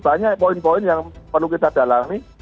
banyak poin poin yang perlu kita dalami